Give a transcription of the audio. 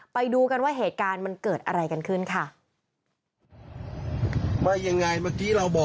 ไปดูกันว่าเหตุการณ์มันเกิดอะไรกันขึ้นค่ะ